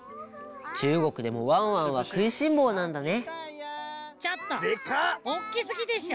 中国でもワンワンはくいしんぼうなんだね。